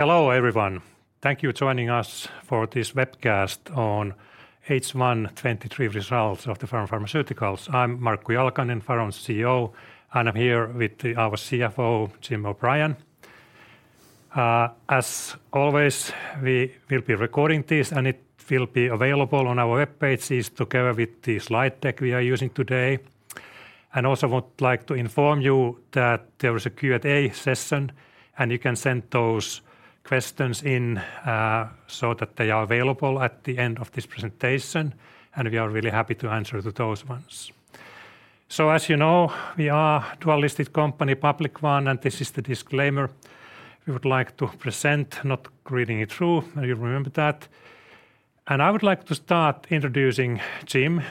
Hello, everyone. Thank you joining us for this webcast on H1 2023 results of the Faron Pharmaceuticals. I'm Markku Jalkanen, Faron's CEO, and I'm here with our CFO, Jim O'Brien. As always, we will be recording this, and it will be available on our webpages together with the slide deck we are using today. Also would like to inform you that there is a Q&A session, and you can send those questions in, so that they are available at the end of this presentation, and we are really happy to answer to those ones. So as you know, we are dual listed company, public one, and this is the disclaimer we would like to present, not reading it through, and you remember that. I would like to start introducing Jim.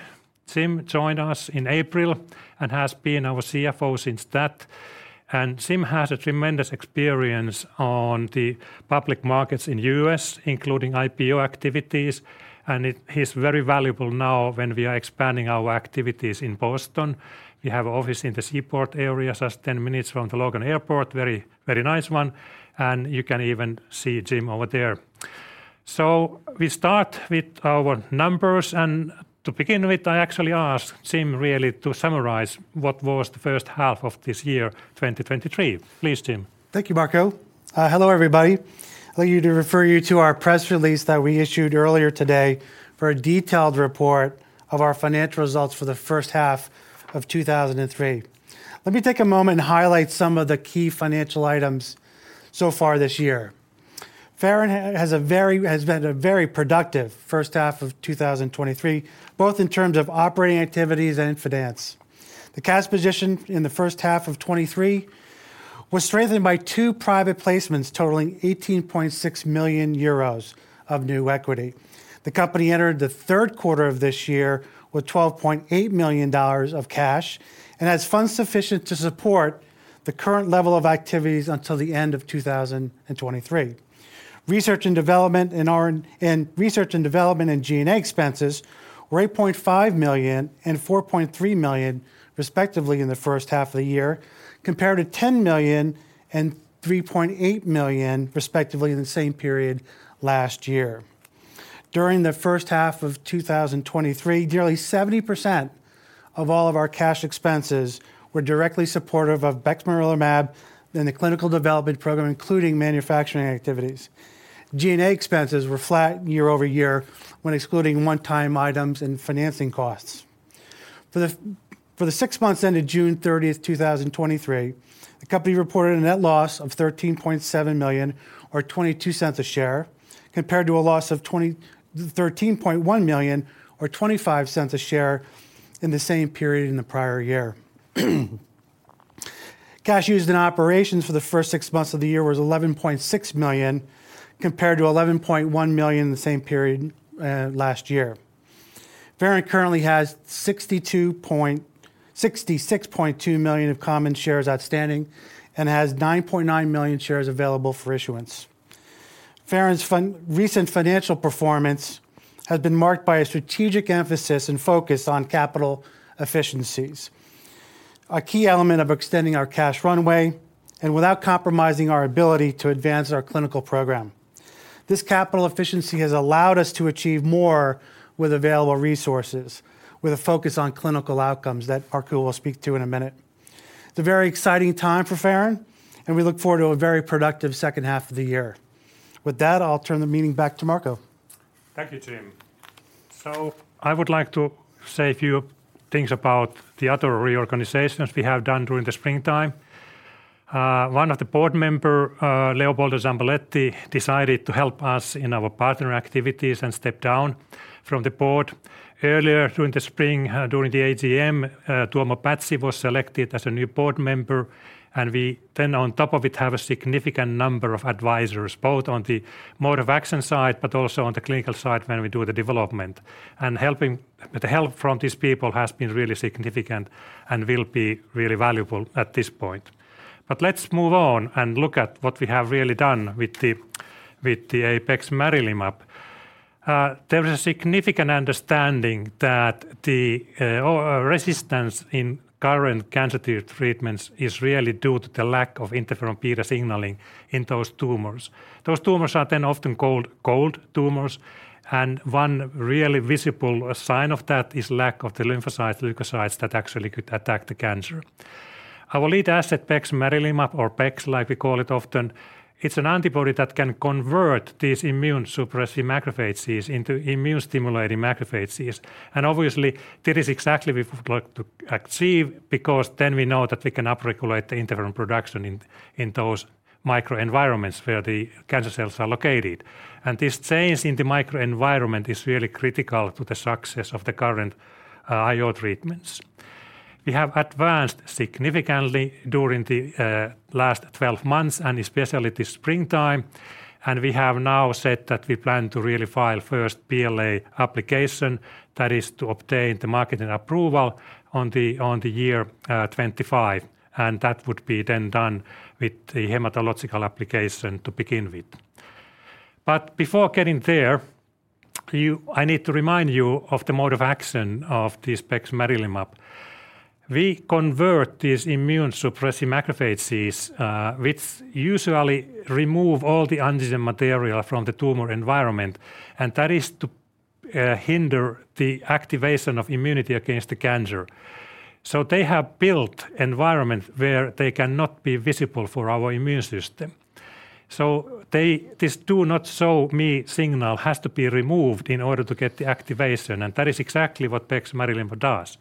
Jim joined us in April and has been our CFO since that. Jim has a tremendous experience on the public markets in U.S., including IPO activities, and it's, he's very valuable now when we are expanding our activities in Boston. We have an office in the Seaport area, just ten minutes from the Logan Airport, very, very nice one, and you can even see Jim over there. We start with our numbers, and to begin with, I actually ask Jim really to summarize what was the first half of this year, 2023. Please, Jim. Thank you, Markku. Hello, everybody. I'd like to refer you to our press release that we issued earlier today for a detailed report of our financial results for the first half of 2023. Let me take a moment and highlight some of the key financial items so far this year. Faron has been a very productive first half of 2023, both in terms of operating activities and in finance. The cash position in the first half of 2023 was strengthened by two private placements, totaling 18.6 million euros of new equity. The company entered the third quarter of this year with $12.8 million of cash and has funds sufficient to support the current level of activities until the end of 2023. Research and development in our. In research and development and G&A expenses were 8.5 million and 4.3 million, respectively, in the first half of the year, compared to 10 million and 3.8 million, respectively, in the same period last year. During the first half of 2023, nearly 70% of all of our cash expenses were directly supportive of bexmarilimab in the clinical development program, including manufacturing activities. G&A expenses were flat year-over-year when excluding one-time items and financing costs. For the six months ended June 30, 2023, the company reported a net loss of 13.7 million, or 0.22 a share, compared to a loss of thirteen point one million, or 0.25 a share, in the same period in the prior year. Cash used in operations for the first six months of the year was 11.6 million, compared to 11.1 million in the same period last year. Faron currently has 66.2 million of common shares outstanding and has 9.9 million shares available for issuance. Faron's recent financial performance has been marked by a strategic emphasis and focus on capital efficiencies, a key element of extending our cash runway and without compromising our ability to advance our clinical program. This capital efficiency has allowed us to achieve more with available resources, with a focus on clinical outcomes that Markku will speak to in a minute. It's a very exciting time for Faron, and we look forward to a very productive second half of the year. With that, I'll turn the meeting back to Markku. Thank you, Jim. So I would like to say a few things about the other reorganizations we have done during the springtime. One of the board member, Leopoldo Zambeletti, decided to help us in our partner activities and step down from the board. Earlier during the spring, during the AGM, Tuomo Pätsi was selected as a new board member, and we then, on top of it, have a significant number of advisors, both on the mode of action side, but also on the clinical side when we do the development. The help from these people has been really significant and will be really valuable at this point. But let's move on and look at what we have really done with the, with the bexmarilimab. There is a significant understanding that the resistance in current cancer treatments is really due to the lack of interferon beta signaling in those tumors. Those tumors are then often called cold tumors, and one really visible sign of that is lack of the lymphocytes, leukocytes, that actually could attack the cancer. Our lead asset, bexmarilimab, or bex, like we call it often, it's an antibody that can convert these immune-suppressive macrophages into immune-stimulating macrophages. And obviously, that is exactly we would like to achieve because then we know that we can upregulate the interferon production in those microenvironments where the cancer cells are located. And this change in the microenvironment is really critical to the success of the current IO treatments. We have advanced significantly during the last 12 months, and especially this springtime, and we have now said that we plan to really file first BLA application, that is to obtain the marketing approval on the year 2025, and that would be then done with the hematological application to begin with. But before getting there, you, I need to remind you of the mode of action of this bexmarilimab. We convert these immune suppressive macrophages, which usually remove all the antigen material from the tumor environment, and that is to hinder the activation of immunity against the cancer. So they have built environment where they cannot be visible for our immune system. So they this do not show me signal has to be removed in order to get the activation, and that is exactly what bexmarilimab does.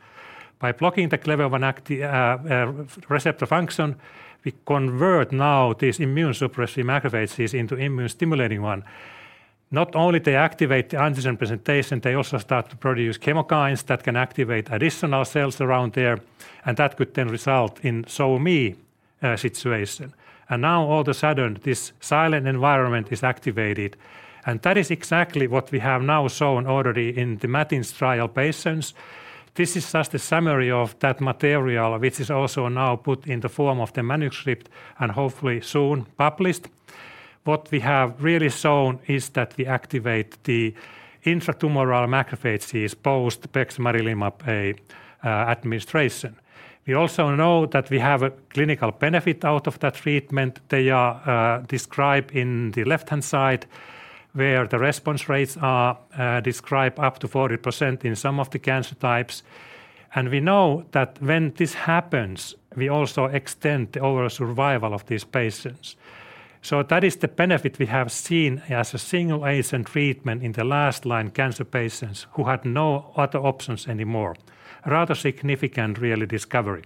By blocking the Clever-1 receptor function, we convert now these immunosuppressive macrophages into immune stimulating ones. Not only they activate the antigen presentation, they also start to produce chemokines that can activate additional cells around there, and that could then result in immune situation. And now all of a sudden, this silent environment is activated, and that is exactly what we have now shown already in the MATINS trial patients. This is just a summary of that material, which is also now put in the form of the manuscript and hopefully soon published. What we have really shown is that we activate the intratumoral macrophages post bexmarilimab administration. We also know that we have a clinical benefit out of that treatment. They are described in the left-hand side, where the response rates are described up to 40% in some of the cancer types. We know that when this happens, we also extend the overall survival of these patients. So that is the benefit we have seen as a single agent treatment in the last-line cancer patients who had no other options anymore. Rather significant, really, discovery.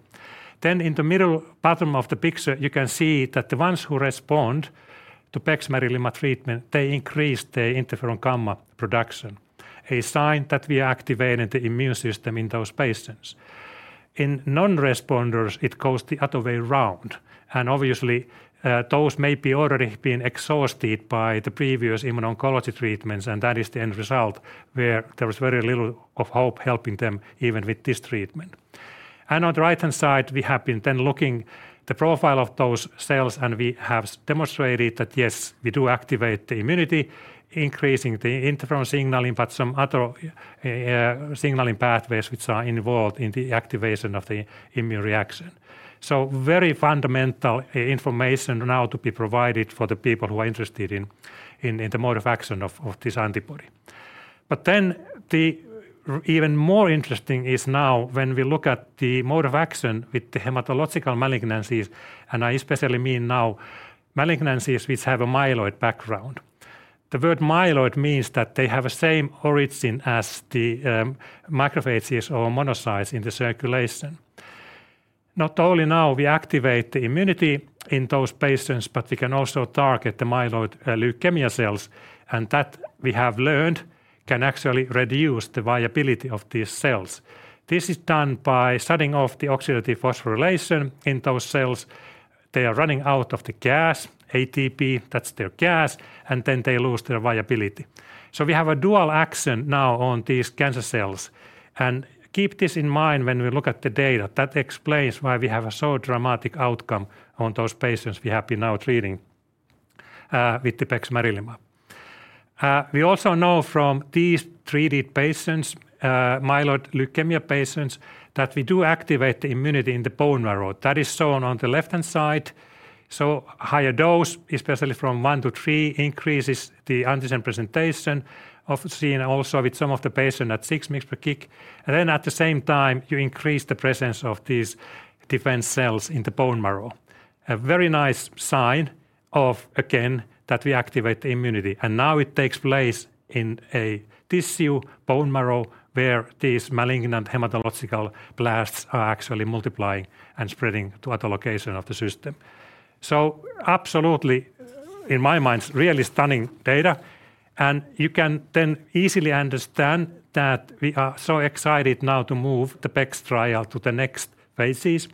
Then in the middle bottom of the picture, you can see that the ones who respond to bexmarilimab treatment, they increase the interferon gamma production, a sign that we activated the immune system in those patients. In non-responders, it goes the other way around, and obviously, those may be already been exhausted by the previous Immuno-oncology treatments, and that is the end result, where there was very little of hope helping them even with this treatment. On the right-hand side, we have been then looking the profile of those cells, and we have demonstrated that, yes, we do activate the immunity, increasing the interferon signaling, but some other signaling pathways which are involved in the activation of the immune reaction. So very fundamental information now to be provided for the people who are interested in the mode of action of this antibody. But then even more interesting is now when we look at the mode of action with the hematological malignancies, and I especially mean now malignancies which have a myeloid background. The word myeloid means that they have the same origin as the macrophages or monocytes in the circulation. Not only now we activate the immunity in those patients, but we can also target the myeloid leukemia cells, and that we have learned can actually reduce the viability of these cells. This is done by shutting off the oxidative phosphorylation in those cells. They are running out of the gas, ATP, that's their gas, and then they lose their viability. So we have a dual action now on these cancer cells, and keep this in mind when we look at the data. That explains why we have a so dramatic outcome on those patients we have been now treating with the bexmarilimab. We also know from these treated patients, myeloid leukemia patients, that we do activate the immunity in the bone marrow. That is shown on the left-hand side. So higher dose, especially from 1 to 3, increases the antigen presentation of—seen also with some of the patient at 6 mg per kg. And then at the same time, you increase the presence of these defense cells in the bone marrow. A very nice sign of, again, that we activate the immunity, and now it takes place in a tissue, bone marrow, where these malignant hematological blasts are actually multiplying and spreading to other location of the system. So absolutely, in my mind, really stunning data, and you can then easily understand that we are so excited now to move the BEXMAB trial to the next phases.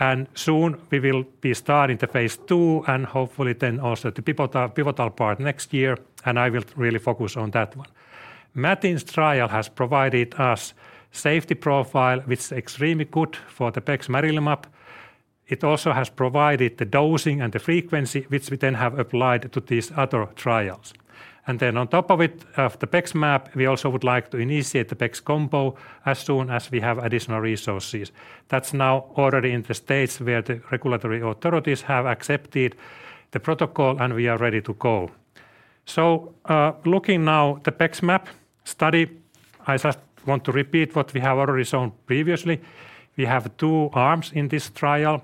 And soon, we will be starting the phase II, and hopefully then also the pivotal, pivotal part next year, and I will really focus on that one. MATINS trial has provided us safety profile, which is extremely good for the bexmarilimab. It also has provided the dosing and the frequency, which we then have applied to these other trials. Then on top of it, of the BEXMAB, we also would like to initiate the BEXCOMBO as soon as we have additional resources. That's now already in the stage where the regulatory authorities have accepted the protocol, and we are ready to go. So, looking now the BEXMAB study, I just want to repeat what we have already shown previously. We have two arms in this trial.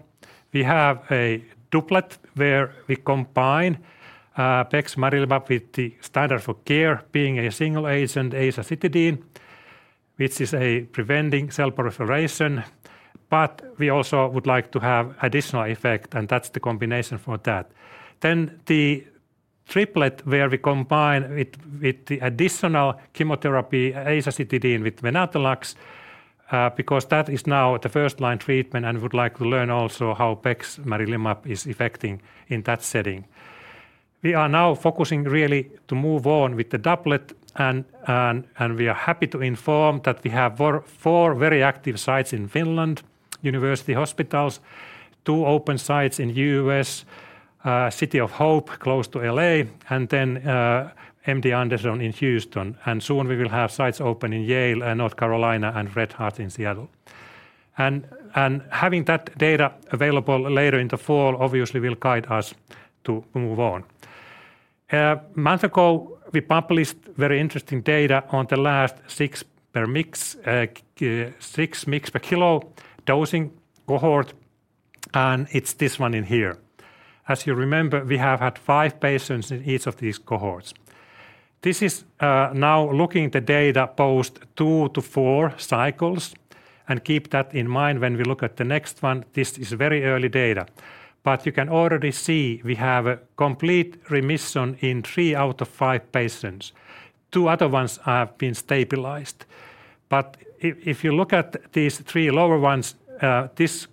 We have a doublet, where we combine bexmarilimab with the standard of care, being a single agent azacitidine, which is a preventing cell proliferation. But we also would like to have additional effect, and that's the combination for that. Then the triplet, where we combine it with the additional chemotherapy, azacitidine with venetoclax, because that is now the first-line treatment, and we would like to learn also how bexmarilimab is affecting in that setting. We are now focusing really to move on with the doublet and we are happy to inform that we have 4 very active sites in Finland, university hospitals, 2 open sites in U.S., City of Hope, close to L.A., and then MD Anderson in Houston. And soon we will have sites open in Yale and North Carolina and Fred Hutch in Seattle. And having that data available later in the fall, obviously, will guide us to move on. A month ago, we published very interesting data on the last 6 mg/m² dosing cohort, and it's this one in here. As you remember, we have had 5 patients in each of these cohorts. This is now looking the data post 2-4 cycles, and keep that in mind when we look at the next one. This is very early data. But you can already see we have a complete remission in 3 out of 5 patients. Two other ones have been stabilized. But if you look at these 3 lower ones, this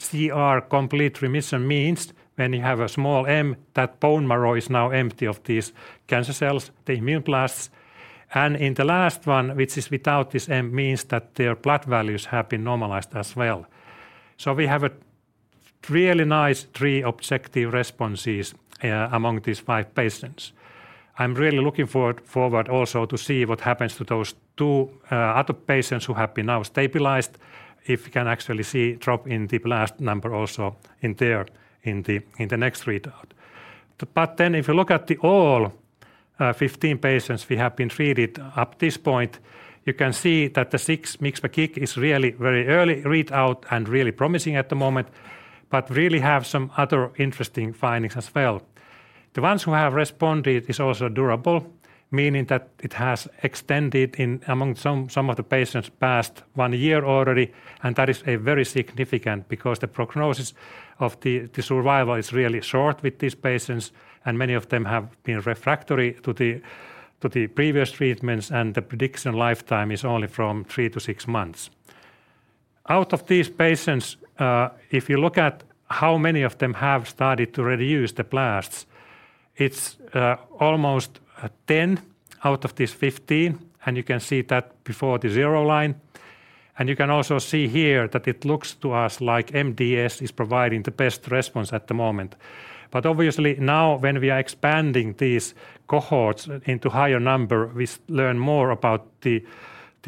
CR, complete remission, means when you have a small m, that bone marrow is now empty of these cancer cells, the immune blasts. And in the last one, which is without this m, means that their blood values have been normalized as well. So we have a really nice 3 objective responses among these 5 patients. I'm really looking forward also to see what happens to those 2 other patients who have been now stabilized, if we can actually see drop in the blast number also in there in the next readout. But then, if you look at all 15 patients we have treated up this point, you can see that the 6 mg per kg is really very early readout and really promising at the moment, but really have some other interesting findings as well. The ones who have responded is also durable, meaning that it has extended in among some of the patients past 1 year already, and that is a very significant because the prognosis of the survival is really short with these patients, and many of them have been refractory to the previous treatments, and the prediction lifetime is only from 3-6 months. Out of these patients, if you look at how many of them have started to reduce the blasts, it's almost 10 out of these 15, and you can see that before the zero line. And you can also see here that it looks to us like MDS is providing the best response at the moment. But obviously, now, when we are expanding these cohorts into higher number, we learn more about the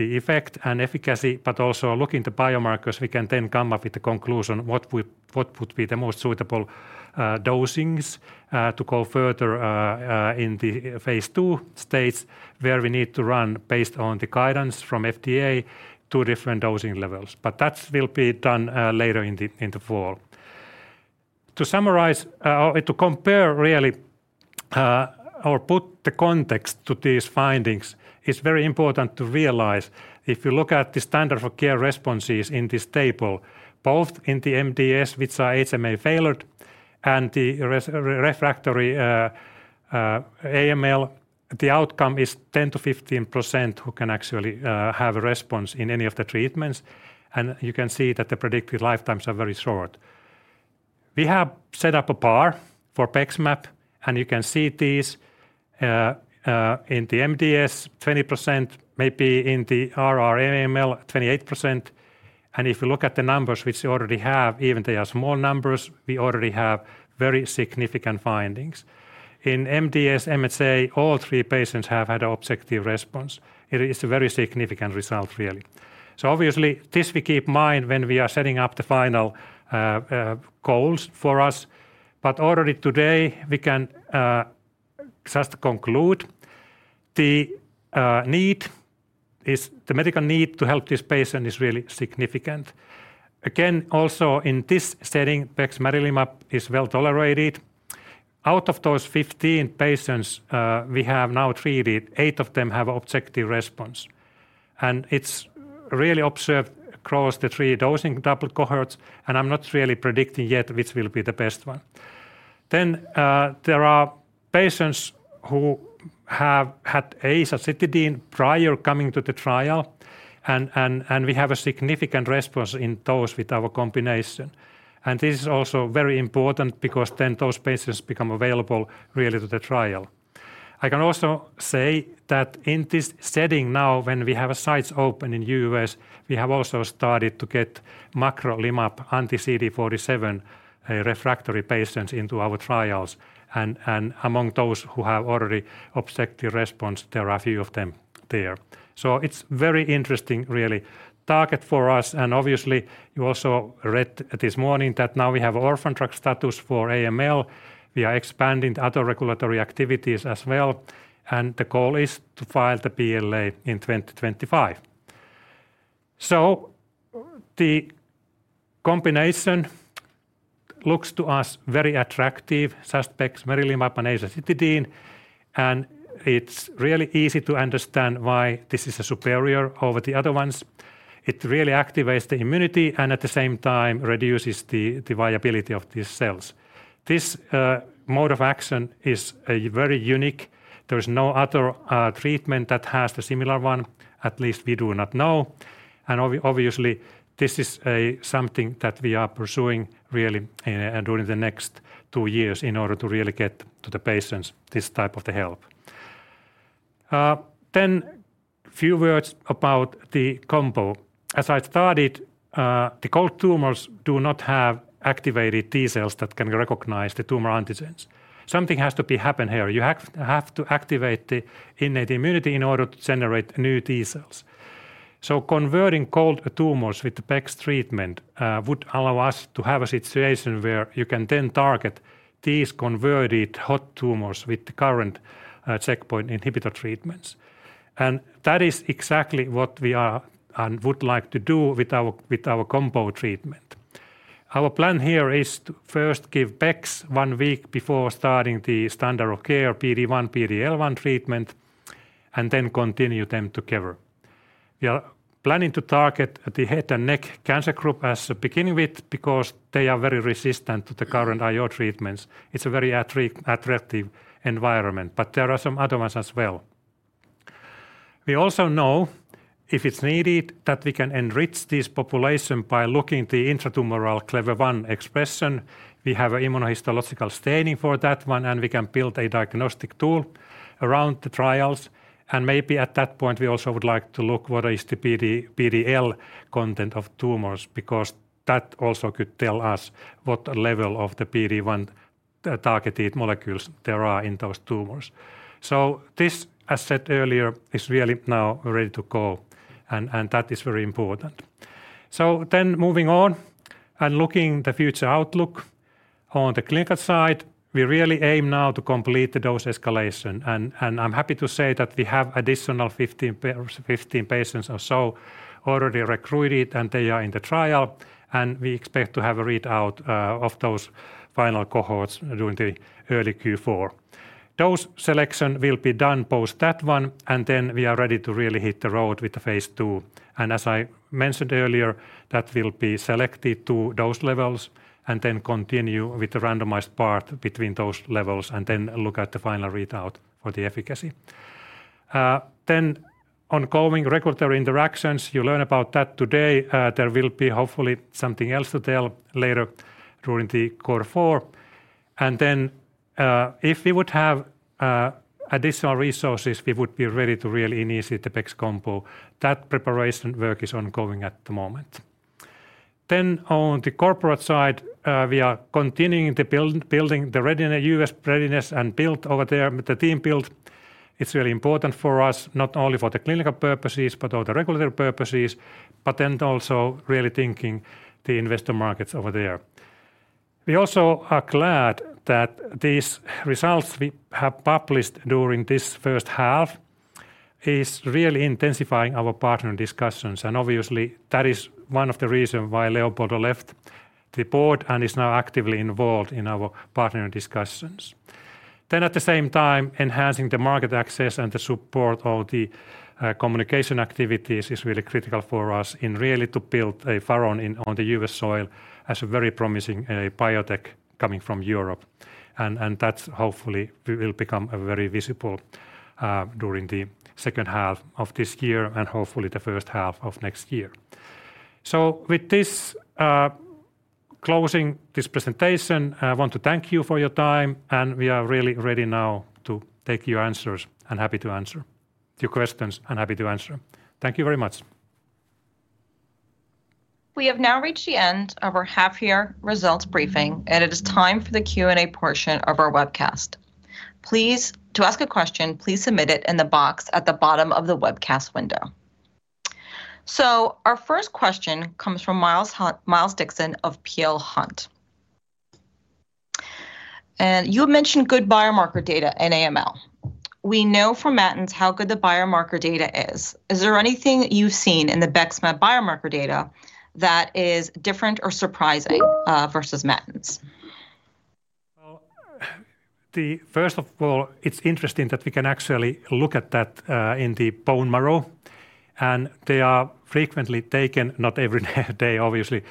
effect and efficacy, but also looking to biomarkers, we can then come up with the conclusion, what would be the most suitable dosings to go further in the phase II stage, where we need to run based on the guidance from FDA, two different dosing levels. But that will be done later in the fall. To summarize, or to compare really, or put the context to these findings, it's very important to realize if you look at the standard of care responses in this table, both in the MDS, which are HMA failed, and the refractory AML, the outcome is 10%-15% who can actually have a response in any of the treatments, and you can see that the predicted lifetimes are very short. We have set up a bar for BEXMAB, and you can see these in the MDS, 20%, maybe in the RR AML, 28%. If you look at the numbers which we already have, even they are small numbers, we already have very significant findings. In MDS-HMA, all three patients have had an objective response. It is a very significant result, really. Obviously, this we keep in mind when we are setting up the final goals for us, but already today, we can just conclude the need is the medical need to help this patient is really significant. Again, also in this setting, bexmarilimab is well tolerated. Out of those 15 patients we have now treated, 8 of them have objective response, and it's really observed across the three dosing doubled cohorts, and I'm not really predicting yet which will be the best one. Then, there are patients who have had azacitidine prior coming to the trial, and we have a significant response in those with our combination. And this is also very important because then those patients become available really to the trial. I can also say that in this setting now, when we have sites open in U.S., we have also started to get magrolimab anti-CD47 refractory patients into our trials, and, and among those who have already objective response, there are a few of them there. So it's very interesting, really, target for us, and obviously, you also read this morning that now we have orphan drug status for AML. We are expanding the other regulatory activities as well, and the goal is to file the BLA in 2025. So the combination looks to us very attractive, just bexmarilimab and azacitidine, and it's really easy to understand why this is a superior over the other ones. It really activates the immunity and at the same time reduces the viability of these cells. This mode of action is a very unique. There is no other treatment that has the similar one, at least we do not know. Obviously, this is something that we are pursuing really during the next two years in order to really get to the patients this type of the help. Then a few words about the combo. As I started, the cold tumors do not have activated T cells that can recognize the tumor antigens. Something has to be happen here. You have to activate the innate immunity in order to generate new T cells. So converting cold tumors with the bex treatment would allow us to have a situation where you can then target these converted hot tumors with the current checkpoint inhibitor treatments. And that is exactly what we are and would like to do with our combo treatment. Our plan here is to first give bex one week before starting the standard of care, PD-1, PD-L1 treatment, and then continue them together. We are planning to target the head and neck cancer group as a beginning with, because they are very resistant to the current IO treatments. It's a very attractive environment, but there are some other ones as well. We also know, if it's needed, that we can enrich this population by looking the intratumoral Clever-1 expression. We have a immunohistological staining for that one, and we can build a diagnostic tool around the trials. And maybe at that point, we also would like to look what is the PD, PDL content of tumors, because that also could tell us what level of the PD-1, the targeted molecules there are in those tumors. So this, as said earlier, is really now ready to go, and that is very important. So then moving on and looking the future outlook. On the clinical side, we really aim now to complete the dose escalation, and I'm happy to say that we have additional 15 patients or so already recruited, and they are in the trial, and we expect to have a readout of those final cohorts during the early Q4. Dose selection will be done post that one, and then we are ready to really hit the road with the phase II. And as I mentioned earlier, that will be selected to dose levels and then continue with the randomized part between those levels, and then look at the final readout for the efficacy. Then ongoing regulatory interactions, you learn about that today. There will be hopefully something else to tell later during the quarter four. And then, if we would have additional resources, we would be ready to really initiate the BEXCOMBO. That preparation work is ongoing at the moment. Then on the corporate side, we are continuing the build, building the readiness, U.S. readiness, and build over there, the team build. It's really important for us, not only for the clinical purposes, but all the regulatory purposes, but then also really thinking the investor markets over there. We also are glad that these results we have published during this first half is really intensifying our partner discussions, and obviously, that is one of the reason why Leopoldo left the board and is now actively involved in our partner discussions. Then, at the same time, enhancing the market access and the support of the communication activities is really critical for us in really to build Faron in on the U.S. soil as a very promising biotech coming from Europe. And that hopefully will become very visible during the second half of this year and hopefully the first half of next year. So, with this, closing this presentation, I want to thank you for your time, and we are really ready now to take your answers, and happy to answer your questions, and happy to answer. Thank you very much. We have now reached the end of our half-year results briefing, and it is time for the Q&A portion of our webcast. Please, to ask a question, please submit it in the box at the bottom of the webcast window. So our first question comes from Miles Dixon of Peel Hunt. And you mentioned good biomarker data in AML. We know from magrolimab how good the biomarker data is. Is there anything you've seen in the BEXMAB biomarker data that is different or surprising versus magrolimab? Well, first of all, it's interesting that we can actually look at that in the bone marrow, and they are frequently taken, not every day, obviously,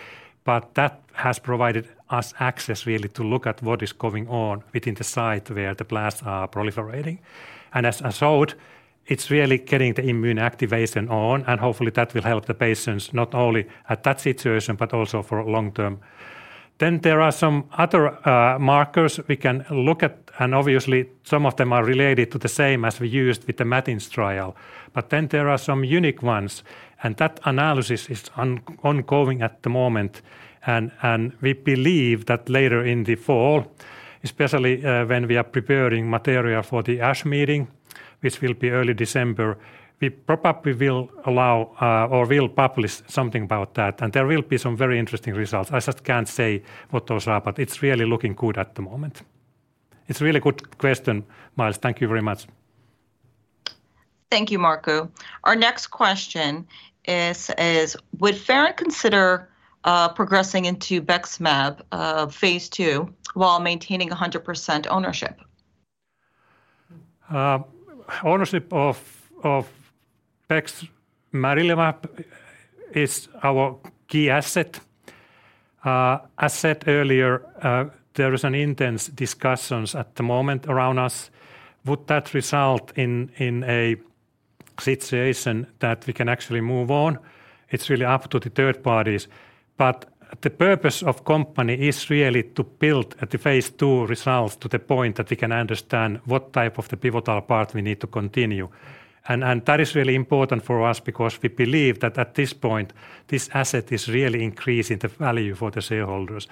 but that has provided us access really to look at what is going on within the site where the blasts are proliferating. And as showed, it's really getting the immune activation on, and hopefully that will help the patients, not only at that situation, but also for long term. Then there are some other markers we can look at, and obviously, some of them are related to the same as we used with the Matins trial. But then there are some unique ones, and that analysis is ongoing at the moment. We believe that later in the fall, especially, when we are preparing material for the ASH meeting, which will be early December, we probably will allow, or will publish something about that, and there will be some very interesting results. I just can't say what those are, but it's really looking good at the moment. It's a really good question, Miles. Thank you very much. Thank you, Marco. Our next question is: Would Faron consider progressing into BEXMAB phase II while maintaining 100% ownership? Ownership of bexmarilimab is our key asset. As said earlier, there is an intense discussions at the moment around us. Would that result in a situation that we can actually move on. It's really up to the third parties. But the purpose of company is really to build at the phase II results to the point that we can understand what type of the pivotal part we need to continue. And that is really important for us because we believe that at this point, this asset is really increasing the value for the shareholders.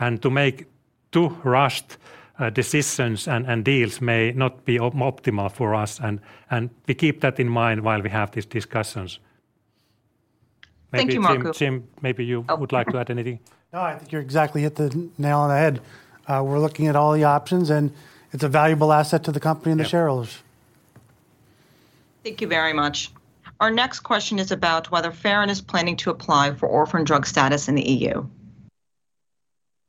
And to make too rushed decisions and deals may not be optimal for us, and we keep that in mind while we have these discussions. Thank you, Markku. Maybe Jim, Jim, maybe you would like to add anything? No, I think you exactly hit the nail on the head. We're looking at all the options, and it's a valuable asset to the company and the shareholders. Yeah. Thank you very much. Our next question is about whether Faron is planning to apply for orphan drug status in the EU.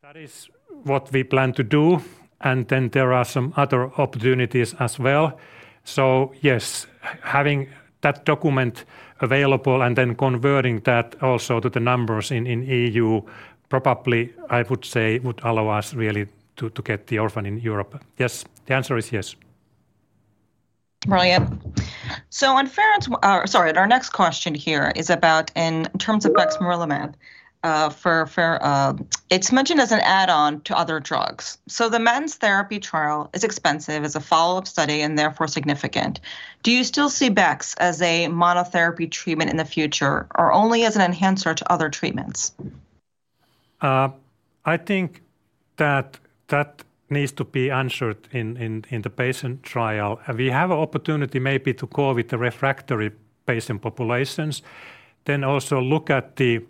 That is what we plan to do, and then there are some other opportunities as well. So yes, having that document available and then converting that also to the numbers in EU, probably, I would say, would allow us really to get the orphan in Europe. Yes. The answer is yes. Brilliant. So on Faron's or sorry, our next question here is about in terms of bexmarilimab, for it's mentioned as an add-on to other drugs. So the maintenance therapy trial is expansive as a follow-up study and therefore significant. Do you still see bex as a monotherapy treatment in the future or only as an enhancer to other treatments? I think that needs to be answered in the patient trial. We have an opportunity maybe to go with the refractory patient populations, then also look at the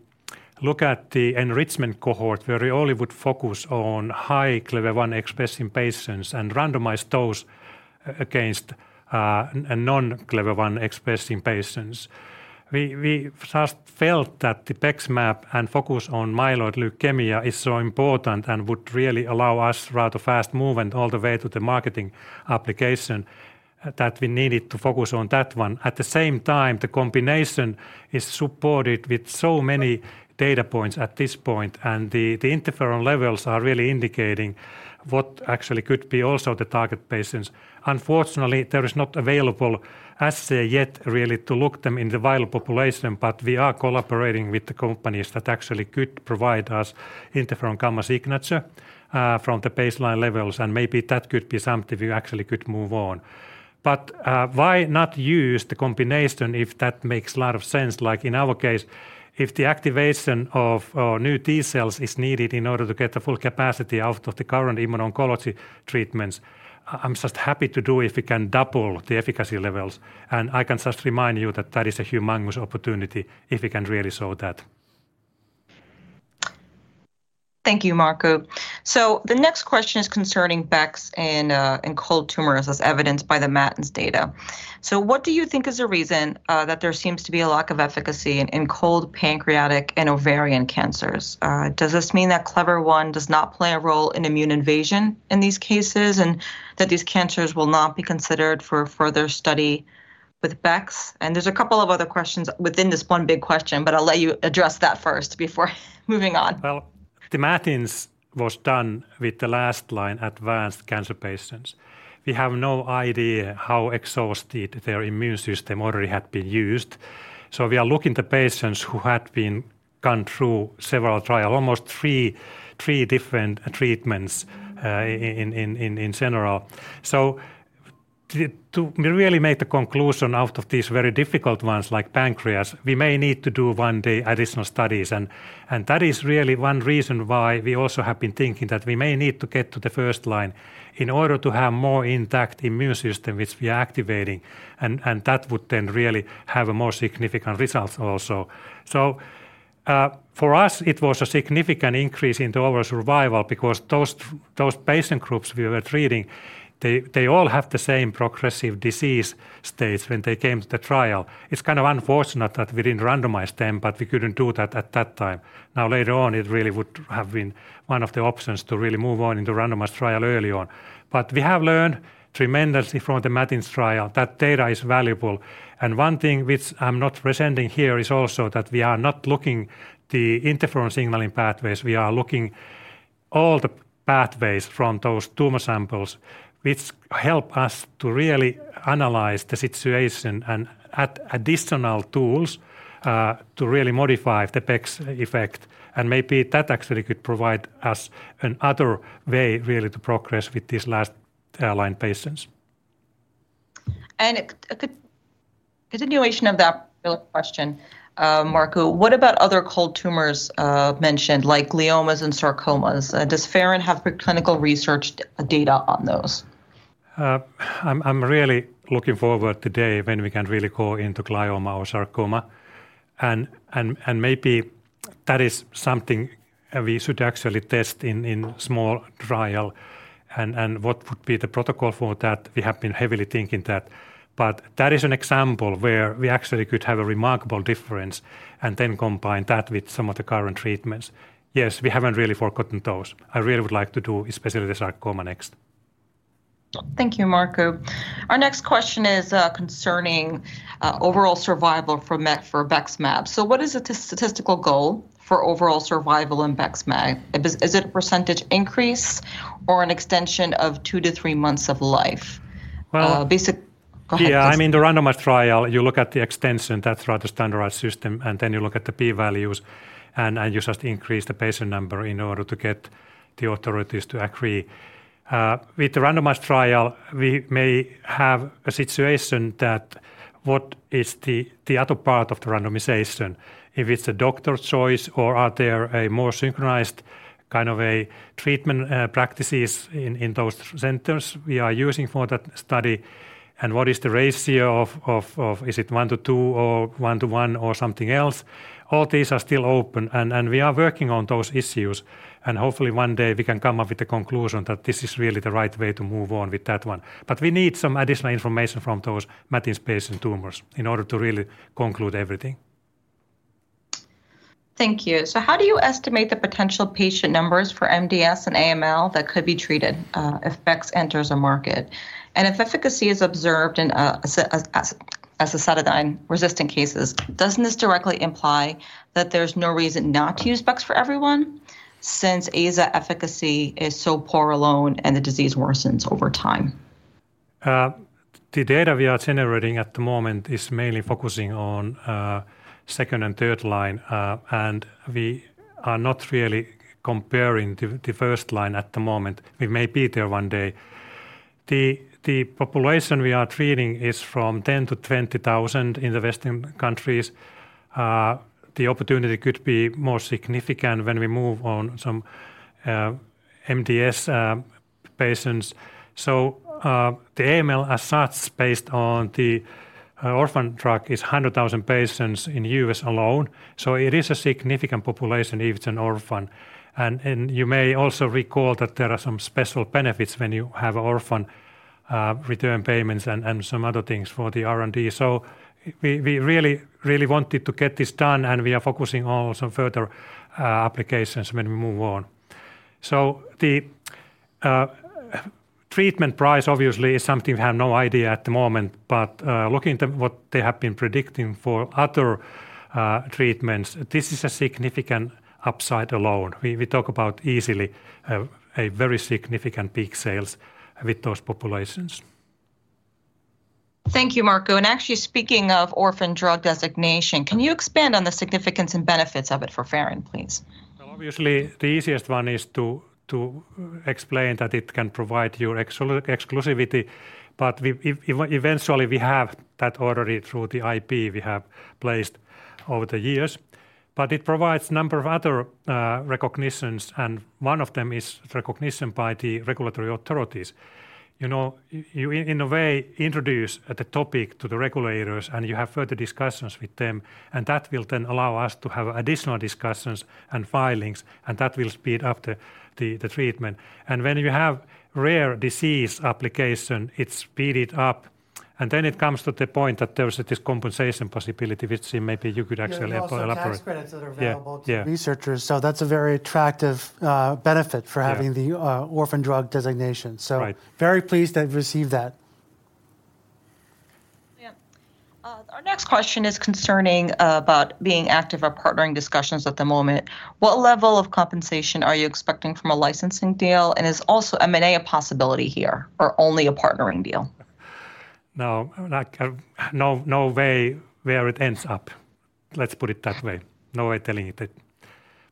enrichment cohort, where we only would focus on high Clever-1 expressing patients and randomize those against non-Clever-1 expressing patients. We just felt that the BEXMAB and focus on myeloid leukemia is so important and would really allow us rather fast movement all the way to the marketing application, that we needed to focus on that one. At the same time, the combination is supported with so many data points at this point, and the interferon levels are really indicating what actually could be also the target patients. Unfortunately, there is not available assay yet really to look them in the viable population, but we are collaborating with the companies that actually could provide us interferon gamma signature from the baseline levels, and maybe that could be something we actually could move on. But why not use the combination if that makes a lot of sense, like in our case, if the activation of new T-cells is needed in order to get the full capacity out of the current Immuno-oncology treatments? I'm just happy to do if we can double the efficacy levels. And I can just remind you that that is a humongous opportunity if we can really show that. Thank you, Markku. So the next question is concerning bex and, and cold tumors as evidenced by the Matins data. So what do you think is the reason, that there seems to be a lack of efficacy in, in cold pancreatic and ovarian cancers? Does this mean that Clever-1 does not play a role in immune invasion in these cases, and that these cancers will not be considered for further study with bex? And there's a couple of other questions within this one big question, but I'll let you address that first before moving on. Well, the BEXMAB was done with the last line, advanced cancer patients. We have no idea how exhausted their immune system already had been used. So we are looking at the patients who had been gone through several trial, almost 3 different treatments, in general. So to really make the conclusion out of these very difficult ones, like pancreas, we may need to do one day additional studies, and that is really one reason why we also have been thinking that we may need to get to the first line in order to have more intact immune system, which we are activating, and that would then really have a more significant results also. So, for us, it was a significant increase in the overall survival because those patient groups we were treating, they all have the same progressive disease stage when they came to the trial. It's kind of unfortunate that we didn't randomize them, but we couldn't do that at that time. Now, later on, it really would have been one of the options to really move on in the randomized trial early on. But we have learned tremendously from the Matins trial that data is valuable. And one thing which I'm not presenting here is also that we are not looking the interferon signaling pathways. We are looking all the pathways from those tumor samples, which help us to really analyze the situation and add additional tools to really modify the bex effect. Maybe that actually could provide us another way really to progress with these last-line patients. And a continuation of that question, Markku, what about other cold tumors mentioned, like gliomas and sarcomas? Does Faron have preclinical research data on those? I'm really looking forward to the day when we can really go into glioma or sarcoma, and maybe that is something we should actually test in small trial, and what would be the protocol for that. We have been heavily thinking that. But that is an example where we actually could have a remarkable difference and then combine that with some of the current treatments. Yes, we haven't really forgotten those. I really would like to do, especially the sarcoma next. Thank you, Markku. Our next question is concerning overall survival for Bexmab. So what is the statistical goal for overall survival in Bexmab? Is it a percentage increase or an extension of two to three months of life? Well, yeah, I mean, the randomized trial, you look at the extension, that's rather standardized system, and then you look at the P values, and you just increase the patient number in order to get the authorities to agree. With the randomized trial, we may have a situation that what is the other part of the randomization? If it's a doctor's choice or are there a more synchronized kind of a treatment practices in those centers we are using for that study? And what is the ratio of? Is it one to two or one to one or something else? All these are still open, and we are working on those issues, and hopefully one day we can come up with a conclusion that this is really the right way to move on with that one. But we need some additional information from those MATINs patient tumors in order to really conclude everything. Thank you. So how do you estimate the potential patient numbers for MDS and AML that could be treated, if bex enters a market? And if efficacy is observed in azacitidine-resistant cases, doesn't this directly imply that there's no reason not to use bex for everyone, since azacitidine efficacy is so poor alone and the disease worsens over time? The data we are generating at the moment is mainly focusing on second and third line, and we are not really comparing the first line at the moment. We may be there one day. The population we are treating is from 10-20,000 in the Western countries. The opportunity could be more significant when we move on some MDS patients. So, the AML as such, based on the orphan drug, is 100,000 patients in the U.S. alone. So it is a significant population, if it's an orphan. And you may also recall that there are some special benefits when you have orphan return payments and some other things for the R&D. So we really, really wanted to get this done, and we are focusing on some further applications when we move on. So the treatment price obviously is something we have no idea at the moment, but looking at what they have been predicting for other treatments, this is a significant upside alone. We talk about easily a very significant peak sales with those populations. Thank you, Markku. And actually, speaking of orphan drug designation, can you expand on the significance and benefits of it for Faron, please? Well, obviously, the easiest one is to explain that it can provide you exclusivity, but we eventually have that already through the IP we have placed over the years. But it provides a number of other recognitions, and one of them is recognition by the regulatory authorities. You know, in a way, you introduce the topic to the regulators, and you have further discussions with them, and that will then allow us to have additional discussions and filings, and that will speed up the treatment. And when you have rare disease application, it's speeded up, and then it comes to the point that there is a compensation possibility, which maybe you could actually elaborate. There are also tax credits that are available. Yeah, yeah. To researchers, so that's a very attractive, benefit for. Yeah. Having the orphan drug designation. Right. Very pleased to have received that. Yeah. Our next question is concerning about being active or partnering discussions at the moment. What level of compensation are you expecting from a licensing deal, and is also M&A a possibility here or only a partnering deal? No, like, no, no way where it ends up. Let's put it that way. No way telling it.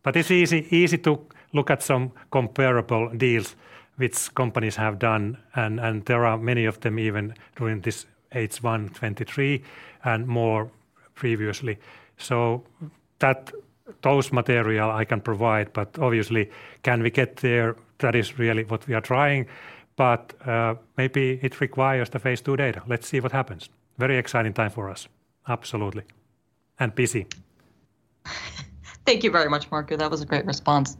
But it's easy, easy to look at some comparable deals which companies have done, and, and there are many of them even during this H1 2023 and more previously. So those material I can provide, but obviously, can we get there? That is really what we are trying, but, maybe it requires the phase II data. Let's see what happens. Very exciting time for us. Absolutely. And busy. Thank you very much, Markku. That was a great response.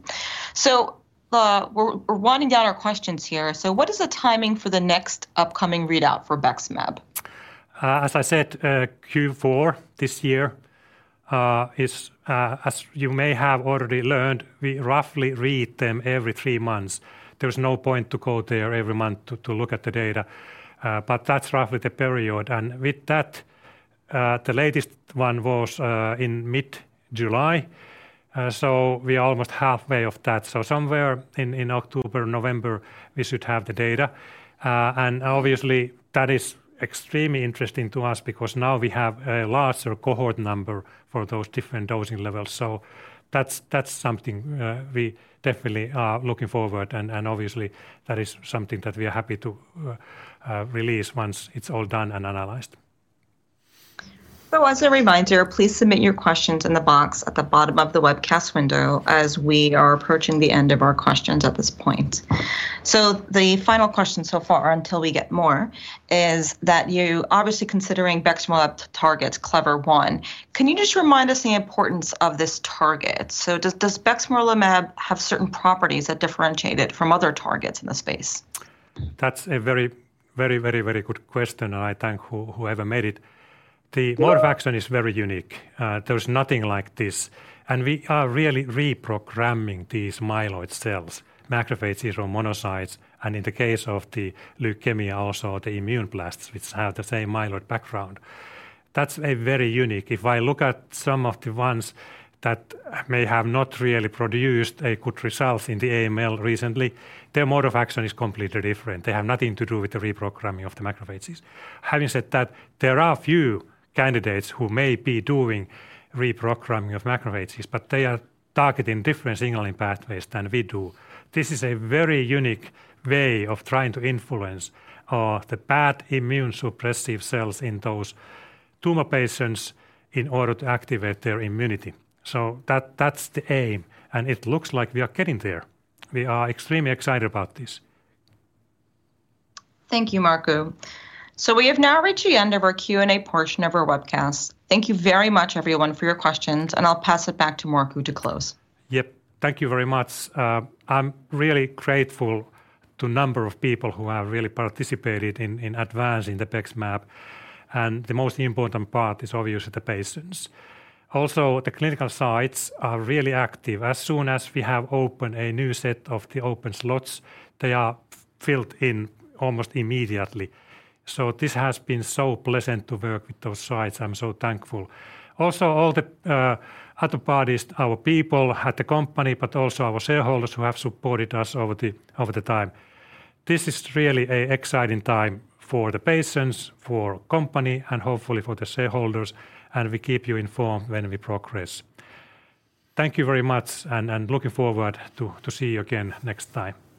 We're winding down our questions here. What is the timing for the next upcoming readout for BEXMAB? As I said, Q4 this year is, as you may have already learned, we roughly read them every three months. There is no point to go there every month to look at the data, but that's roughly the period. With that, the latest one was in mid-July, so we are almost halfway of that. So somewhere in October, November, we should have the data. And obviously, that is extremely interesting to us because now we have a larger cohort number for those different dosing levels. So that's something we definitely are looking forward, and obviously, that is something that we are happy to release once it's all done and analyzed. So as a reminder, please submit your questions in the box at the bottom of the webcast window, as we are approaching the end of our questions at this point. So the final question so far, until we get more, is that you obviously considering BEXMAB targets Clever-1. Can you just remind us the importance of this target? So does, does BEXMAB have certain properties that differentiate it from other targets in the space? That's a very, very, very, very good question, and I thank whoever made it. The mode of action is very unique. There is nothing like this, and we are really reprogramming these myeloid cells, macrophages or monocytes, and in the case of the leukemia, also the immunoblasts, which have the same myeloid background. That's a very unique. If I look at some of the ones that may have not really produced a good result in the AML recently, their mode of action is completely different. They have nothing to do with the reprogramming of the macrophages. Having said that, there are a few candidates who may be doing reprogramming of macrophages, but they are targeting different signaling pathways than we do. This is a very unique way of trying to influence the bad immune suppressive cells in those tumor patients in order to activate their immunity. So that's the aim, and it looks like we are getting there. We are extremely excited about this. Thank you, Markku. We have now reached the end of our Q&A portion of our webcast. Thank you very much, everyone, for your questions, and I'll pass it back to Markku to close. Yep. Thank you very much. I'm really grateful to number of people who have really participated in advancing the BEXMAB, and the most important part is obviously the patients. Also, the clinical sites are really active. As soon as we have opened a new set of the open slots, they are filled in almost immediately. So this has been so pleasant to work with those sites. I'm so thankful. Also, all the other parties, our people at the company, but also our shareholders who have supported us over the time. This is really a exciting time for the patients, for company, and hopefully for the shareholders, and we keep you informed when we progress. Thank you very much, and looking forward to see you again next time.